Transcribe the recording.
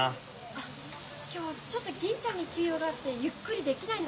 あ今日ちょっと銀ちゃんに急用があってゆっくりできないの。